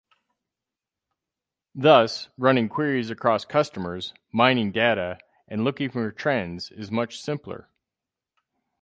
Thus, running queries across customers, mining data, and looking for trends is much simpler.